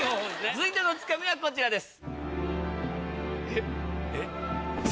続いてのツカミはこちらです。